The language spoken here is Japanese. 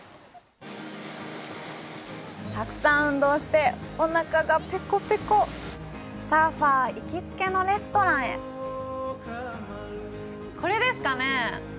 たくさん運動しておなかがペコペコサーファー行きつけのレストランへこれですかね？